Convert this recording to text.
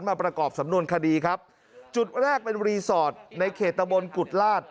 ประกอบสำนวนคดีครับจุดแรกเป็นรีสอร์ทในเขตตะบนกุฎลาศ